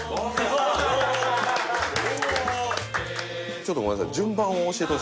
ちょっとごめんなさい